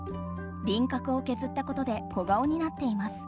輪郭を削ったことで小顔になっています。